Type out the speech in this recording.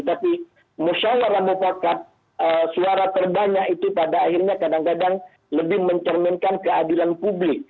tapi musyawarah mufakat suara terbanyak itu pada akhirnya kadang kadang lebih mencerminkan keadilan publik